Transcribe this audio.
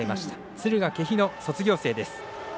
敦賀気比の卒業生です。